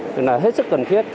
thì là hết sức cần thiết